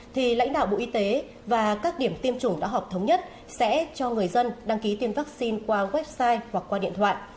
thì lãnh đạo bộ y tế và các điểm tiêm chủng đã họp thống nhất sẽ cho người dân đăng ký tiêm vaccine qua website hoặc qua điện thoại